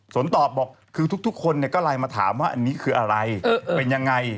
นตอบบอกคือทุกคนก็ไลน์มาถามว่าอันนี้คืออะไรเป็นยังไง